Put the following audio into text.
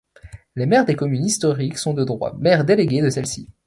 Les maires des communes historiques sont de droit maires délégués de celles-ci.